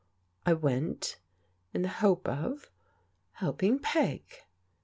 I went — in the hope of — Whelping Peg.